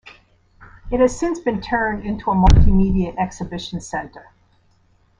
It has since been turned into a multimedia exhibition center.